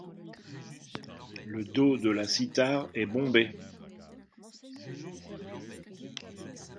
Le dos de la cithare est bombé.